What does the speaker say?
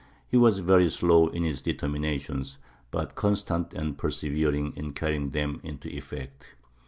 He was very slow in his determinations, but constant and persevering in carrying them into effect.